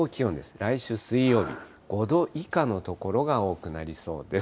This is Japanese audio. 来週水曜日、５度以下の所が多くなりそうです。